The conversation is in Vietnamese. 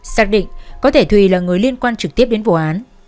xác định có thể thùy là người liên quan trực tiếp đến vụ án